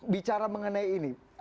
bicara mengenai ini